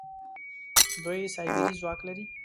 دوی سايبري ځواک لري.